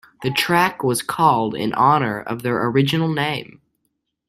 The track was called in honor of their original name.